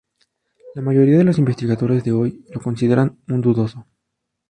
La mayoría de los investigadores de hoy lo consideran un dudoso.